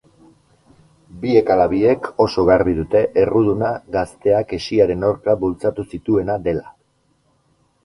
Biek ala biek oso garbi dute erruduna gazteak hesiaren aurka bultzatu zituena dela.